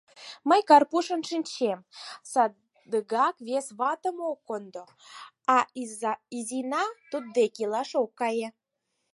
— Мый Карпушым шинчем: садыгак вес ватым ок кондо, а Изина туддек илаш ок кае.